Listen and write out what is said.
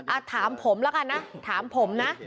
อ่ะถามผมละกันนะถามผมนะ